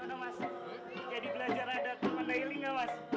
gimana mas jadi belajar adat mandailing gak mas